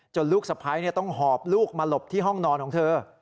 ลูกสะพ้ายต้องหอบลูกมาหลบที่ห้องนอนของเธอ